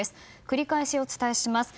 繰り返しお伝えします。